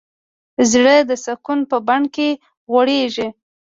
زړه د سکون په بڼ کې غوړېږي.